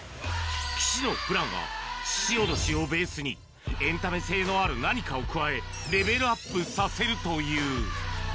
岸のプランは、ししおどしをベースに、エンタメ性のある何かを加え、レベルアップさせるという。